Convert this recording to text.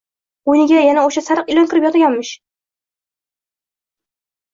Qo`yniga yana o`sha sariq ilon kirib yotganmish